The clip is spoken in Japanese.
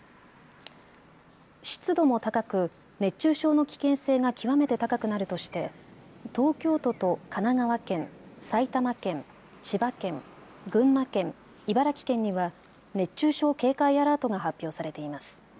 湿度も高く熱中症の危険性が極めて高くなるとして東京都と神奈川県、埼玉県、千葉県、群馬県、茨城県には熱中症警戒アラートが発表されています。